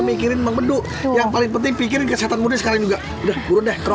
mikirin mbak bedu yang paling penting pikirin kesehatan muda sekarang juga udah udah krok